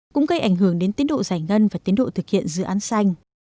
cũng gây ảnh hưởng đến tiến độ giải ngân và tiến độ thực hiện dự án xanh